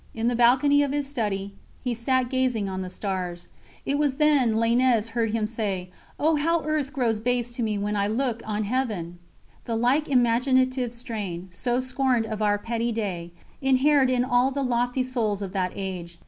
In the balcony of his study he sat gazing on the stars: it was then Lainez heard him say: 'Oh, how earth grows base to me when I look on Heaven!' ... The like imaginative strain, so scorned of our petty day, inhered in all the lofty souls of that age.